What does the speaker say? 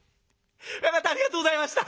親方ありがとうございました。